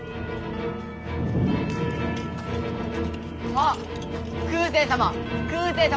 あっ空誓様